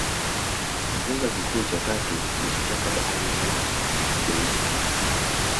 Kimbunga kikuu cha tatu kilichotoka Bahari ya Hindi kilikuja wiki chache